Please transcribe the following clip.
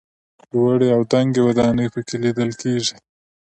لوړې او دنګې ودانۍ په کې لیدل کېږي.